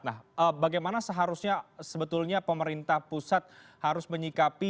nah bagaimana seharusnya sebetulnya pemerintah pusat harus menyikapi isu yang kelima